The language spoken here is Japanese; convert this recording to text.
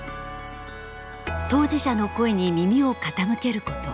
当事者の声に耳を傾けること。